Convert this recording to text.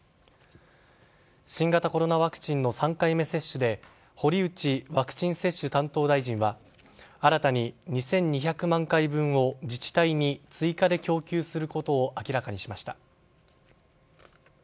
新型コロナワクチンの３回目接種で堀内ワクチン接種担当大臣は新たに２２００万回分を自治体に追加で供給することを明らかにしました。